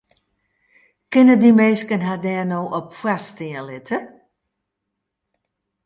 Kinne dy minsken har dêr no op foarstean litte?